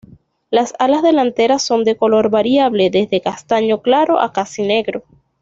Las alas delanteras son de color variable, desde castaño claro a casi negro.